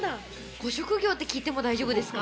ご職業って聞いても大丈夫ですか？